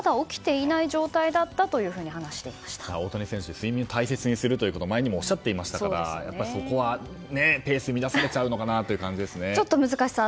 睡眠を大切にするということを前にもおっしゃっていましたからそこはペースを乱されちゃうのがなあという感じですね。